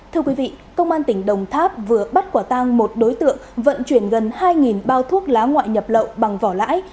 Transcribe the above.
thưa quý vị công an tỉnh đồng tháp vừa bắt quả tang một đối tượng vận chuyển gần hai bao thuốc lá ngoại nhập lậu bằng vỏ lãi